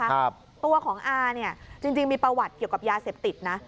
ครับตัวของอาเนี่ยจริงจริงมีประวัติเกี่ยวกับยาเสพติดนะ